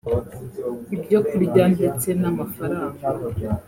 ibyo kurya ndetse n’amafaranga